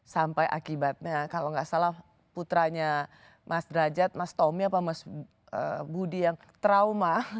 sampai akibatnya kalau nggak salah putranya mas derajat mas tommy apa mas budi yang trauma